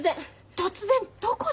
突然どこで？